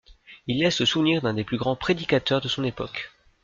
Il laisse le souvenir d'un des plus grands prédicateurs de son époque.